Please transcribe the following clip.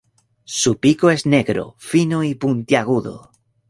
Su pico es negro, fino y puntiagudo.